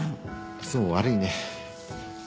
いつも悪いね。